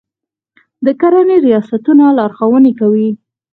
د کرنې ریاستونه لارښوونې کوي.